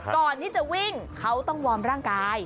ก่อนที่จะวิ่งเขาต้องวอร์มร่างกาย